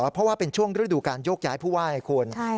เพราะว่าเป็นช่วงฤดูการยกย้ายผู้ว่าให้ควรใช่ครับ